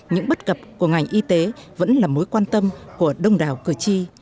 những bất cập của ngành y tế vẫn là mối quan tâm của đông đảo cử tri